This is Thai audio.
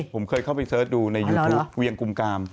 ผมเคยเข้าไปเสิร์ชดูในยูทูปเวียงกุมกาม